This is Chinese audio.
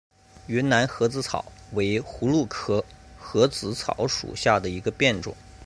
云南盒子草为葫芦科盒子草属下的一个变种。